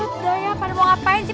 ya udah ya pada mau ngapain sih